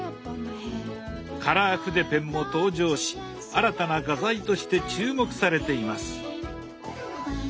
カラー筆ペンも登場し新たな画材として注目されています。